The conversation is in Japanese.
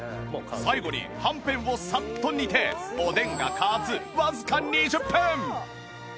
最後にはんぺんをさっと煮ておでんが加圧わずか２０分！